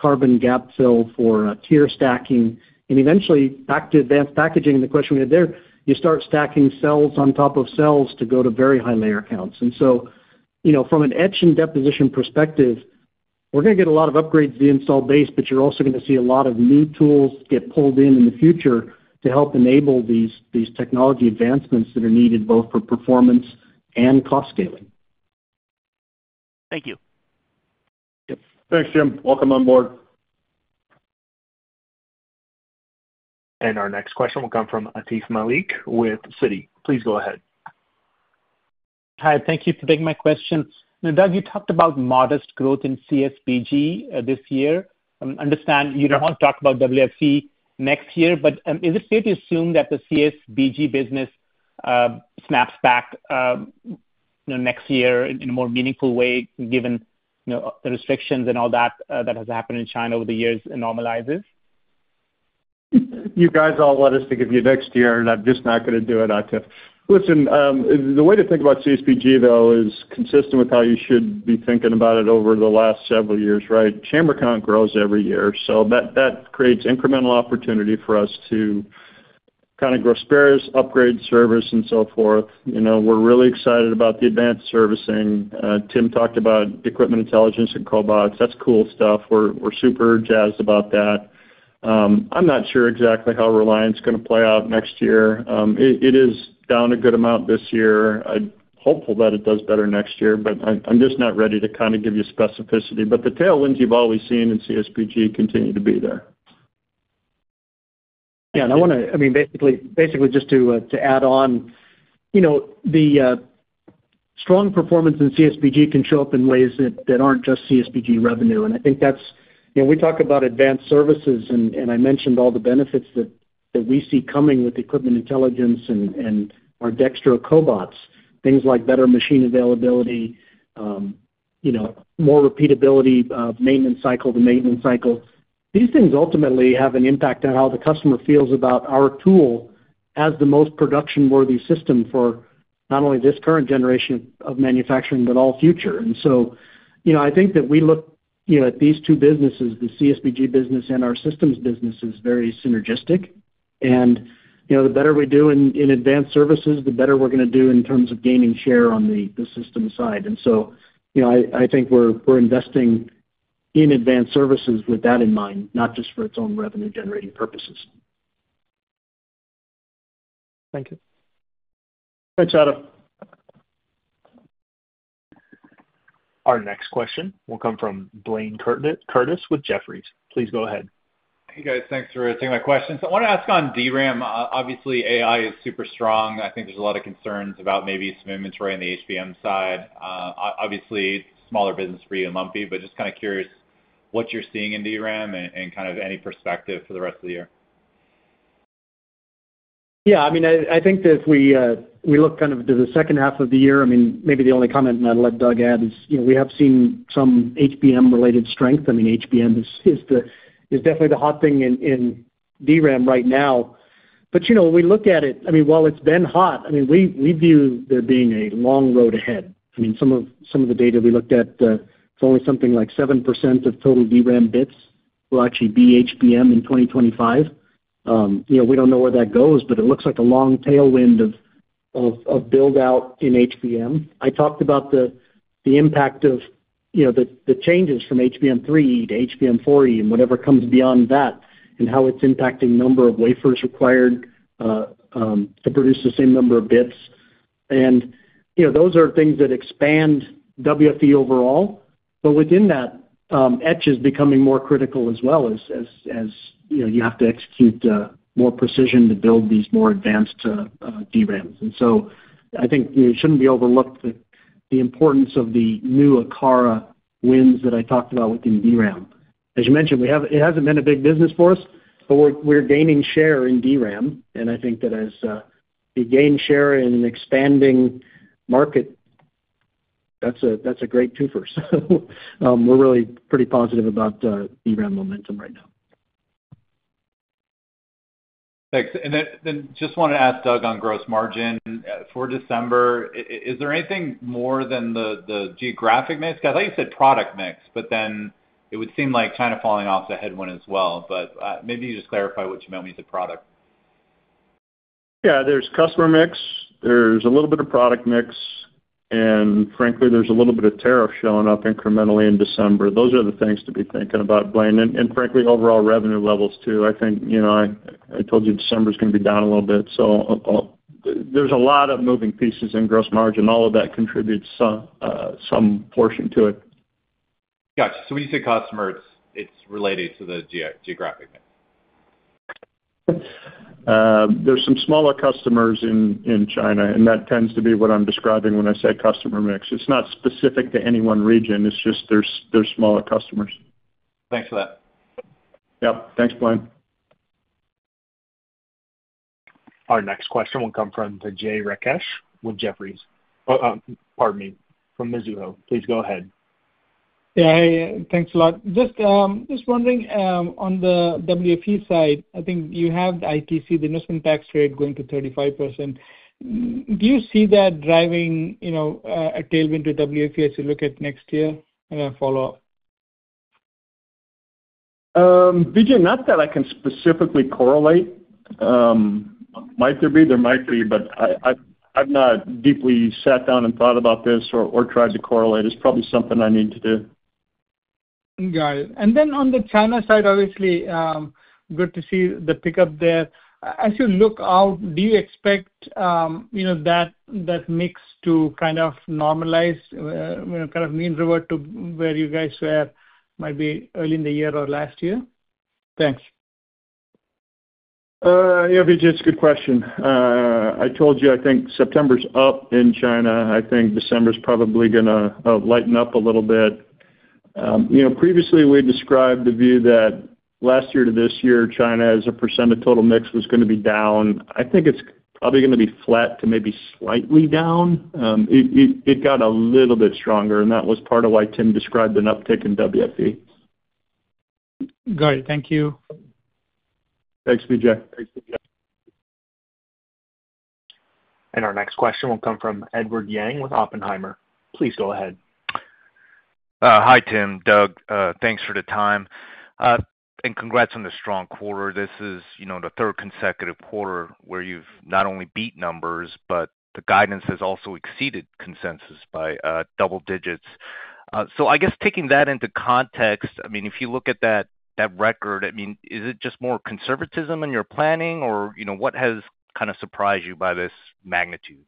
carbon gap fill for tier stacking, and eventually, back to advanced packaging, the question we had there, you start stacking cells on top of cells to go to very high layer counts. From an etch and deposition perspective, we're going to get a lot of upgrades to the install base, but you're also going to see a lot of new tools get pulled in in the future to help enable these technology advancements that are needed both for performance and cost scaling. Thank you. Thanks, Jim. Welcome on board. Our next question will come from Atif Malik with Citi. Please go ahead. Hi. Thank you for taking my question. Doug, you talked about modest growth in CSBG this year. I understand you don't want to talk about WFE next year, but is it safe to assume that the CSBG business snaps back next year in a more meaningful way, given the restrictions and all that that has happened in China over the years and normalizes? You guys all want us to give you next year, and I'm just not going to do it, Atif. Listen, the way to think about CSBG, though, is consistent with how you should be thinking about it over the last several years, right? Chamber count grows every year. That creates incremental opportunity for us to kind of grow spares, upgrade service, and so forth. We're really excited about the advanced servicing. Tim talked about equipment intelligence and cobots. That's cool stuff. We're super jazzed about that. I'm not sure exactly how Reliance is going to play out next year. It is down a good amount this year. I'm hopeful that it does better next year, but I'm just not ready to kind of give you specificity. The tailwinds you've always seen in CSBG continue to be there. I want to, basically just to add on, the strong performance in CSBG can show up in ways that aren't just CSBG revenue. I think that's why we talk about advanced services, and I mentioned all the benefits that we see coming with equipment intelligence and our Dextro cobots, things like better machine availability, more repeatability of maintenance cycle to maintenance cycle. These things ultimately have an impact on how the customer feels about our tool as the most production-worthy system for not only this current generation of manufacturing, but all future. I think that we look at these two businesses, the CSBG business and our systems business, as very synergistic. The better we do in advanced services, the better we're going to do in terms of gaining share on the system side. I think we're investing in advanced services with that in mind, not just for its own revenue-generating purposes. Thank you. Thanks, Adam. Our next question will come from Blayne Curtis with Jefferies. Please go ahead. Hey, guys. Thanks for taking my questions. I want to ask on DRAM. Obviously, AI is super strong. I think there's a lot of concerns about maybe some inventory on the HBM side. Obviously, smaller business for you and lumpy, but just kind of curious what you're seeing in DRAM and kind of any perspective for the rest of the year. I think that if we look kind of to the second half of the year, maybe the only comment I'd let Doug add is we have seen some HBM-related strength. HBM is definitely the hot thing in DRAM right now. When we look at it, while it's been hot, we view there being a long road ahead. Some of the data we looked at, it's only something like 7% of total DRAM bits will actually be HBM in 2025. We don't know where that goes, but it looks like a long tailwind of build-out in HBM. I talked about the impact of the changes from HBM3E to HBM4E and whatever comes beyond that and how it's impacting the number of wafers required to produce the same number of bits. Those are things that expand WFE overall, but within that, etch is becoming more critical as well as you have to execute more precision to build these more advanced DRAMs. I think it shouldn't be overlooked the importance of the new Akara wins that I talked about within DRAM. As you mentioned, it hasn't been a big business for us, but we're gaining share in DRAM. I think that as we gain share in an expanding market, that's a great twofer. We're really pretty positive about DRAM momentum right now. Thanks. I just want to ask Doug on gross margin for December. Is there anything more than the geographic mix? I thought you said product mix, but then it would seem like kind of falling off the head one as well. Maybe you could clarify what you meant when you said product. Yeah. There's customer mix, there's a little bit of product mix, and frankly, there's a little bit of tariff showing up incrementally in December. Those are the things to be thinking about, Blayne. Frankly, overall revenue levels too. I think I told you December is going to be down a little bit. There are a lot of moving pieces in gross margin. All of that contributes some portion to it. Gotcha. When you say customer, it's related to the geographic mix. There are some smaller customers in China, and that tends to be what I'm describing when I say customer mix. It's not specific to any one region. It's just there are smaller customers. Thanks for that. Yep. Thanks, Blayne. Our next question will come from Vijay Rakesh with Jefferies. Pardon me, from Mizuho. Please go ahead. Yeah. Hey, thanks a lot. Just wondering on the WFE side, I think you have the ITC, the investment tax rate going to 35%. Do you see that driving a tailwind to WFE as you look at next year in a follow-up? Vijay, not that I can specifically correlate. Might there be? There might be, but I've not deeply sat down and thought about this or tried to correlate. It's probably something I need to do. Got it. On the China side, obviously, good to see the pickup there. As you look out, do you expect that mix to kind of normalize, kind of mean revert to where you guys were, maybe early in the year or last year? Thanks. Yeah, Vijay, it's a good question. I told you, I think September's up in China. I think December's probably going to lighten up a little bit. Previously, we described the view that last year to this year, China as a percent of total mix was going to be down. I think it's probably going to be flat to maybe slightly down. It got a little bit stronger, and that was part of why Tim described an uptick in WFE. Got it. Thank you. Thanks, Vijay. Our next question will come from Edward Yang with Oppenheimer. Please go ahead. Hi, Tim. Doug, thanks for the time. Congrats on the strong quarter. This is the third consecutive quarter where you've not only beat numbers, but the guidance has also exceeded consensus by double digits. Taking that into context, if you look at that record, is it just more conservatism in your planning, or what has kind of surprised you by this magnitude?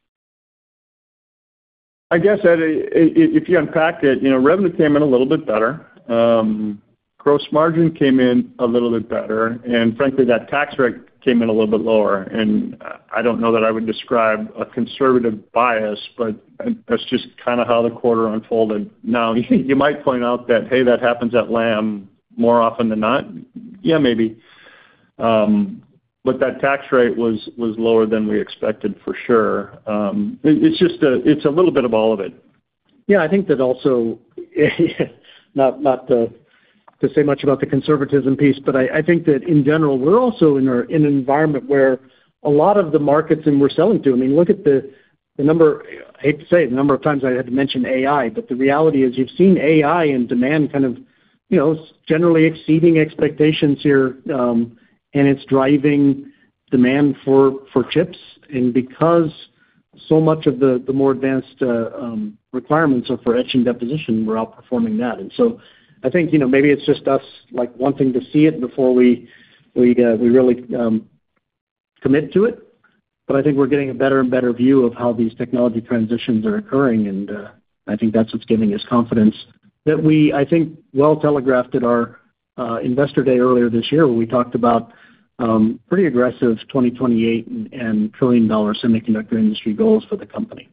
If you unpack it, revenue came in a little bit better. Gross margin came in a little bit better. Frankly, that tax rate came in a little bit lower. I don't know that I would describe a conservative bias, but that's just kind of how the quarter unfolded. You might point out that happens at Lam Research more often than not. Maybe. That tax rate was lower than we expected for sure. It's a little bit of all of it. I think that also. Not to say much about the conservatism piece, but in general, we're also in an environment where a lot of the markets that we're selling to, look at the number, I hate to say the number of times I had to mention AI, but the reality is you've seen AI and demand generally exceeding expectations here. It's driving demand for chips. Because so much of the more advanced requirements are for etch and deposition, we're outperforming that. Maybe it's just us wanting to see it before we really commit to it. I think we're getting a better and better view of how these technology transitions are occurring. I think that's what's giving us confidence that we, I think, well telegraphed at our investor day earlier this year where we talked about pretty aggressive 2028 and trillion-dollar semiconductor industry goals for the company.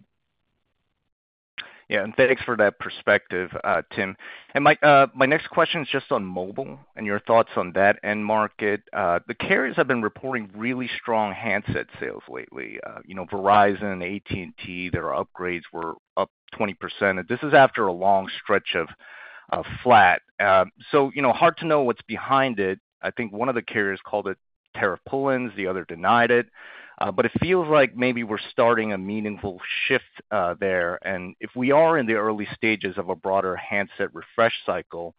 Thanks for that perspective, Tim. My next question is just on mobile and your thoughts on that end market. The carriers have been reporting really strong handset sales lately. Verizon, AT&T, there are upgrades, were up 20%. This is after a long stretch of flat. Hard to know what's behind it. I think one of the carriers called it tariff pull-ins. The other denied it. It feels like maybe we're starting a meaningful shift there. If we are in the early stages of a broader handset refresh cycle,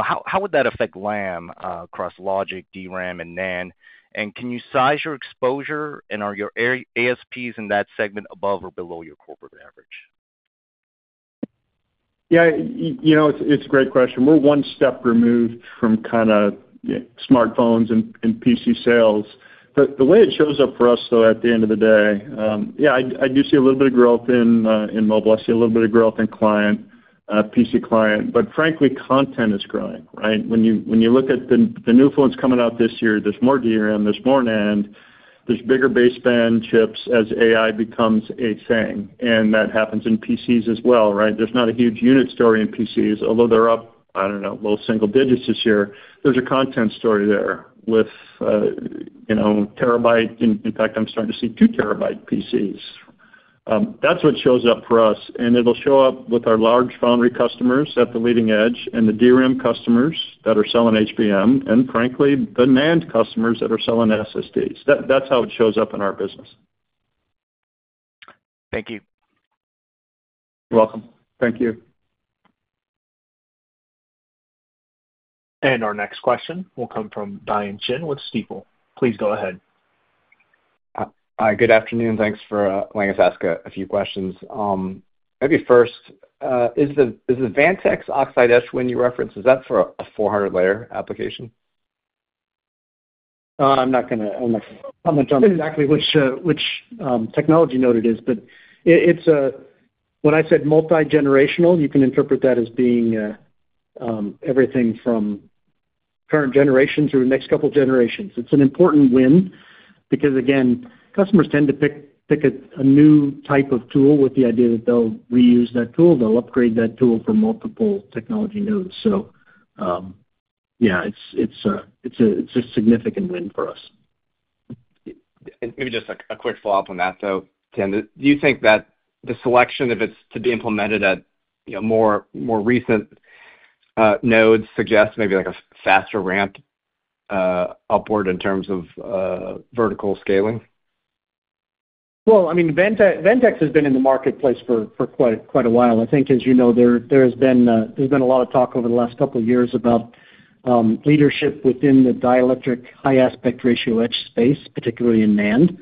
how would that affect Lam across Logic, DRAM, and NAND? Can you size your exposure, and are your ASPs in that segment above or below your corporate average? Yeah. It's a great question. We're one step removed from smartphones and PC sales. The way it shows up for us, though, at the end of the day, yeah, I do see a little bit of growth in mobile. I see a little bit of growth in client, PC client. Frankly, content is growing, right? When you look at the new phones coming out this year, there's more DRAM. There's more NAND. There are bigger baseband chips as AI becomes a thing. That happens in PCs as well, right? There's not a huge unit story in PCs, although they're up, I don't know, low single digits this year. There's a content story there with TB. In fact, I'm starting to see two TB PCs. That's what shows up for us. It'll show up with our large foundry customers at the leading edge and the DRAM customers that are selling HBM and, frankly, the NAND customers that are selling SSDs. That's how it shows up in our business. Thank you. You're welcome. Thank you. Our next question will come from Brian Chin with Stifel. Please go ahead. Hi. Good afternoon. Thanks for letting us ask a few questions. Maybe first, is the Vantex Oxide Etch win you referenced, is that for a 400-layer application? I'm not going to comment on exactly which technology node it is, but when I said multi-generational, you can interpret that as being everything from current generation through the next couple of generations. It's an important win because, again, customers tend to pick a new type of tool with the idea that they'll reuse that tool. They'll upgrade that tool for multiple technology nodes. Yeah, it's a significant win for us. Maybe just a quick follow-up on that, though, Tim. Do you think that the selection, if it's to be implemented at more recent nodes, suggests maybe a faster ramp upward in terms of vertical scaling? Vantex has been in the marketplace for quite a while. I think, as you know, there's been a lot of talk over the last couple of years about leadership within the dielectric high-aspect ratio etch space, particularly in NAND.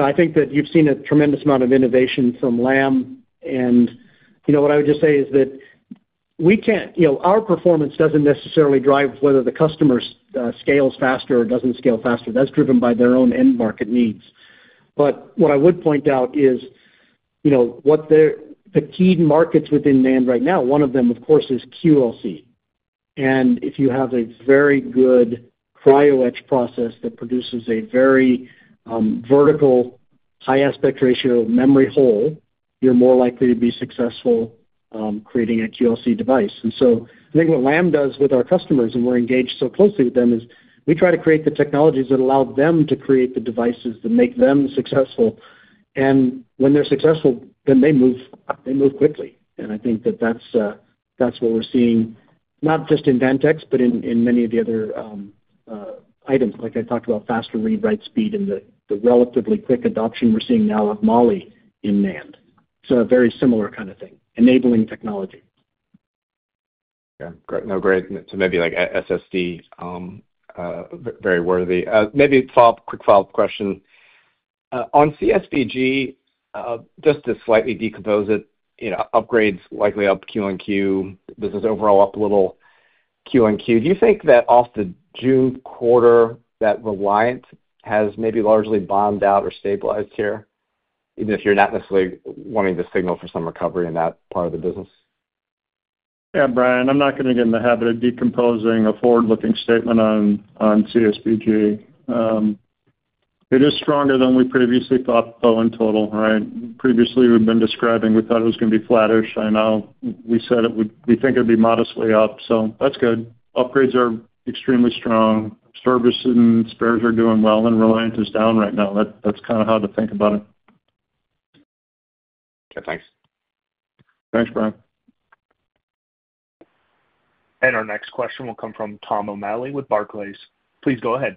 I think that you've seen a tremendous amount of innovation from Lam. What I would just say is that our performance doesn't necessarily drive whether the customer scales faster or doesn't scale faster. That's driven by their own end market needs. What I would point out is what. The key markets within NAND right now, one of them, of course, is QLC. If you have a very good Cryo edge process that produces a very vertical high-aspect ratio memory hole, you're more likely to be successful creating a QLC device. I think what Lam does with our customers, and we're engaged so closely with them, is we try to create the technologies that allow them to create the devices that make them successful. When they're successful, then they move quickly. I think that's what we're seeing, not just in Vantex, but in many of the other items. Like I talked about faster read-write speed and the relatively quick adoption we're seeing now of Mali in NAND. A very similar kind of thing, enabling technology. Okay. Great. No, great. Maybe SSD. Very worthy. Maybe a quick follow-up question on CSBG. Just to slightly decompose it, upgrades likely up QNQ. Business overall up a little QNQ. Do you think that off the June quarter, that Reliant has maybe largely bottomed out or stabilized here, even if you're not necessarily wanting to signal for some recovery in that part of the business? Yeah, Brian, I'm not going to get in the habit of decomposing a forward-looking statement on CSBG. It is stronger than we previously thought, though, in total, right? Previously, we've been describing we thought it was going to be flattish. I know we said we think it'd be modestly up. That's good. Upgrades are extremely strong. Service and spares are doing well, and Reliant is down right now. That's kind of how to think about it. Okay. Thanks. Thanks, Brian. Our next question will come from Tom O'Malley with Barclays. Please go ahead.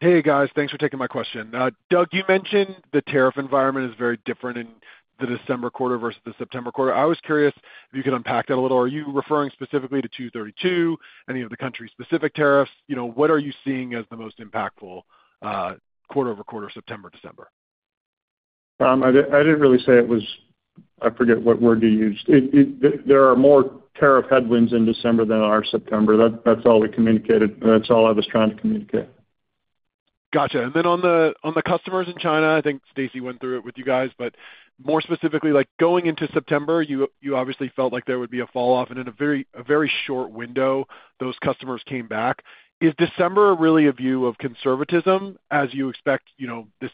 Hey, guys. Thanks for taking my question. Doug, you mentioned the tariff environment is very different in the December quarter versus the September quarter. I was curious if you could unpack that a little. Are you referring specifically to 232, any of the country-specific tariffs? What are you seeing as the most impactful quarter-over-quarter, September, December? I didn't really say it was—I forget what word you used. There are more tariff headwinds in December than there are in September. That's all we communicated. That's all I was trying to communicate. Gotcha. On the customers in China, I think Stacy went through it with you guys, but more specifically, going into September, you obviously felt like there would be a falloff, and in a very short window, those customers came back. Is December really a view of conservatism as you expect? Is this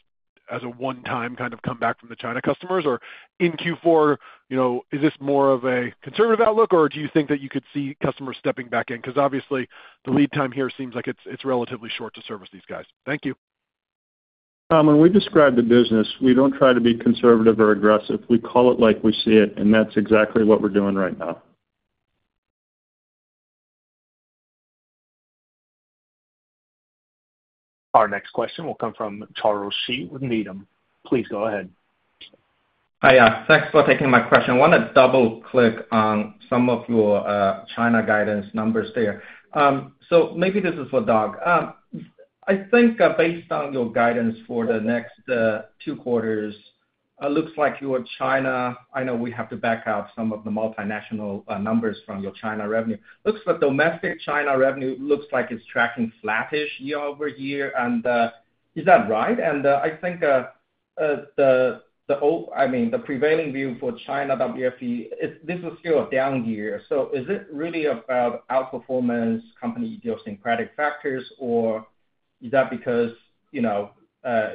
a one-time kind of comeback from the China customers, or in Q4, is this more of a conservative outlook, or do you think that you could see customers stepping back in? Obviously, the lead time here seems like it's relatively short to service these guys. Thank you. When we describe the business, we don't try to be conservative or aggressive. We call it like we see it, and that's exactly what we're doing right now. Our next question will come from Charles Shi with Needham. Please go ahead. Hi, yeah. Thanks for taking my question. I want to double-click on some of your China guidance numbers there. Maybe this is for Doug. I think based on your guidance for the next two quarters, it looks like your China, I know we have to back out some of the multinational numbers from your China revenue, looks like domestic China revenue looks like it's tracking flattish year-over-year. Is that right? The prevailing view for China WFE, this is still a down year. Is it really about outperformance, company idiosyncratic factors, or is that because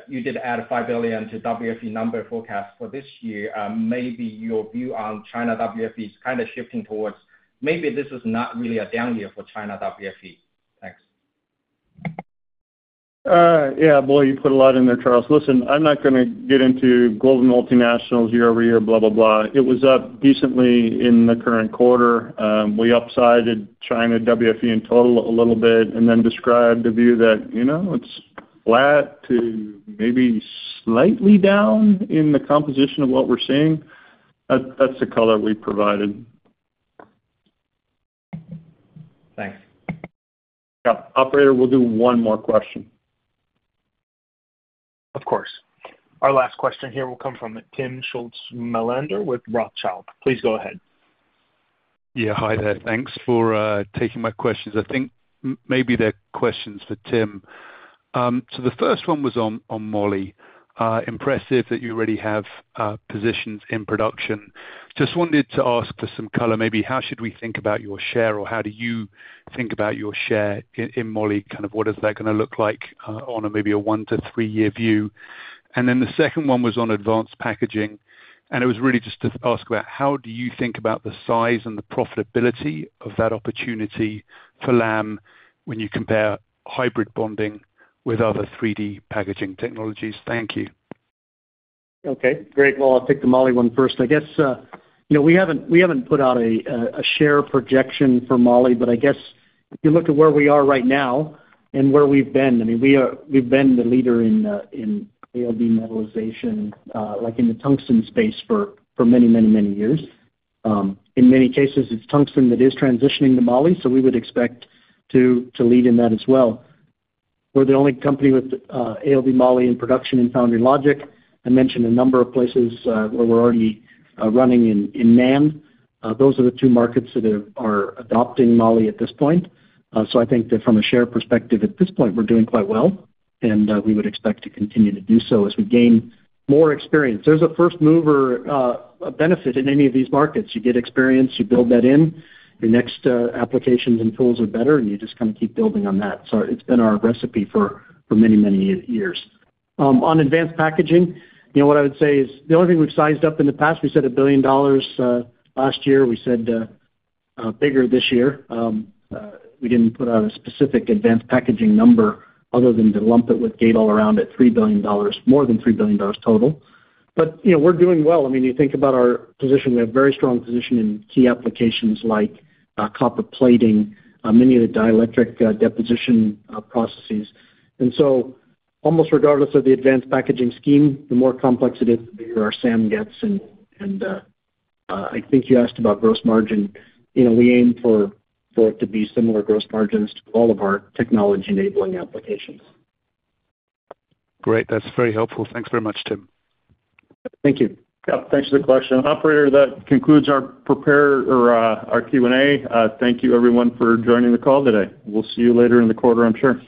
you did add $5 billion to WFE number forecast for this year? Maybe your view on China WFE is kind of shifting towards maybe this is not really a down year for China WFE. Thanks. Yeah. Boy, you put a lot in there, Charles. I'm not going to get into global multinationals year-over-year, blah, blah, blah. It was up decently in the current quarter. We upsided China WFE in total a little bit and then described a view that it's flat to maybe slightly down in the composition of what we're seeing. That's the color we provided. Thanks. Operator, we'll do one more question. Of course. Our last question here will come from Timm Schulze-Melander with Rothschild. Please go ahead. Yeah. Hi there. Thanks for taking my questions. I think maybe they're questions for Tim. The first one was on Mali. Impressive that you already have positions in production. Just wanted to ask for some color. Maybe how should we think about your share, or how do you think about your share in Mali? What is that going to look like on maybe a one to three-year view? The second one was on advanced packaging. It was really just to ask about how do you think about the size and the profitability of that opportunity for Lam when you compare hybrid bonding with other 3D packaging technologies? Thank you. Okay. Great. I'll take the Mali one first. I guess we haven't put out a share projection for Mali, but if you look at where we are right now and where we've been, we've been the leader in ALD metallization in the tungsten space for many, many, many years. In many cases, it's tungsten that is transitioning to Mali, so we would expect to lead in that as well. We're the only company with ALD Mali in production in Foundry Logic. I mentioned a number of places where we're already running in NAND. Those are the two markets that are adopting Mali at this point. I think that from a share perspective, at this point, we're doing quite well, and we would expect to continue to do so as we gain more experience. There's a first-mover benefit in any of these markets. You get experience. You build that in. Your next applications and tools are better, and you just kind of keep building on that. It's been our recipe for many, many years. On advanced packaging, what I would say is the only thing we've sized up in the past, we said $1 billion last year. We said bigger this year. We didn't put out a specific advanced packaging number other than to lump it with gate all-around at $3 billion, more than $3 billion total. We're doing well. You think about our position. We have a very strong position in key applications like copper plating, many of the dielectric deposition processes. Almost regardless of the advanced packaging scheme, the more complex it is, the bigger our SAM gets. I think you asked about gross margin. We aim for it to be similar gross margins to all of our technology-enabling applications. Great. That's very helpful. Thanks very much, Tim. Thank you. Yeah. Thanks for the question. Operator, that concludes our prepared or our Q&A. Thank you, everyone, for joining the call today. We'll see you later in the quarter, I'm sure.